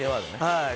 はい。